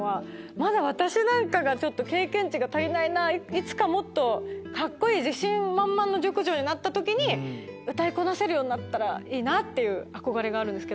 いつかもっとカッコいい自信満々の熟女になった時に歌いこなせるようになったらいいなっていう憧れがあるんです。